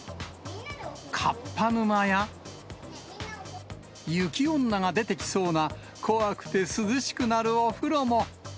かっぱ沼や、雪女が出てきそうな、怖くて涼しくなるお風呂も。